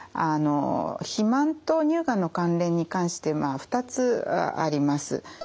肥満と乳がんの関連に関して２つあります。